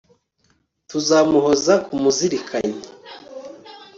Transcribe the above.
tuzamuhoza ku muzirikanyi